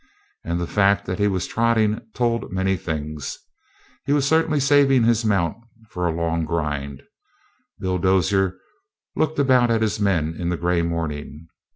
And the fact that he was trotting told many things. He was certainly saving his mount for a long grind. Bill Dozier looked about at his men in the gray morning.